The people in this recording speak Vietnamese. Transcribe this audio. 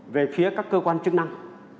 về phía các cơ quan chức năng